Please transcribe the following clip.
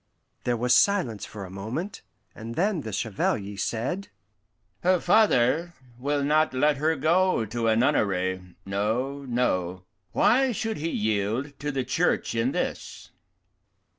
There was silence for a moment, and then the Chevalier said, "Her father will not let her go to a nunnery no, no. Why should he yield to the Church in this?"